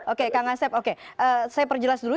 oke kang asep oke saya perjelas dulu